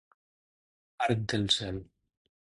Arc del cel.